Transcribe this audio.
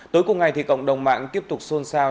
tối cùng ngày thì cộng đồng mạng tiếp tục xôn xao